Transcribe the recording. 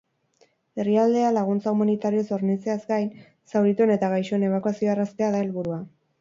Herrialdea laguntza humanitarioz hornitzeaz gain, zaurituen eta gaixoen ebakuazioa erraztea da helburua.